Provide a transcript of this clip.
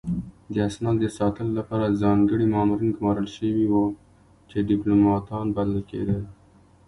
د اسنادو د ساتلو لپاره ځانګړي مامورین ګمارل شوي وو چې ډیپلوماتان بلل کېدل